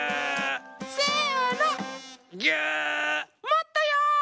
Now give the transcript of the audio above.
もっとよ！